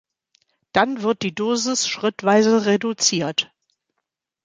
Dann wird die Dosis schrittweise reduziert.